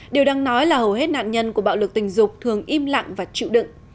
điều đang nói là hầu hết nạn nhân của bạo lực tình dục thường im lặng và chịu đựng